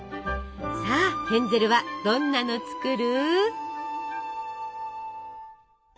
さあヘンゼルはどんなの作る？